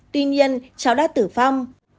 tuy nhiên cháu đã tử phong